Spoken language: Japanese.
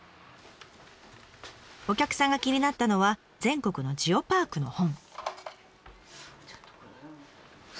お客さんが気になったのは全国のジオパークの本。